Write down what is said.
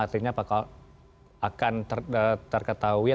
artinya apakah akan terketahui atau diketahui pada pemerintah